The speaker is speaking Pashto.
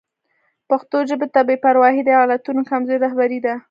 پښتو ژبې ته د بې پرواهي د علتونو کې کمزوري رهبري ده.